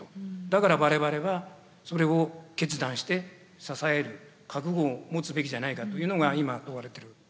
だから我々はそれを決断して支える覚悟を持つべきじゃないかというのが今問われている。